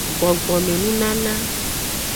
Gbogbome nunana.